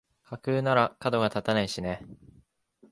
架空ならかどが立たないしね